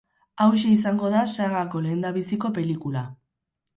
Hauxe izango da sagako lehendabiziko pelikula.